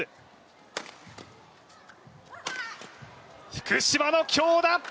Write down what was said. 福島の強打！